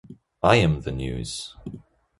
I am the news.